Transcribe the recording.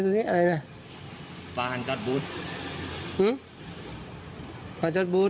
ฝ้าหันช็อตบูธ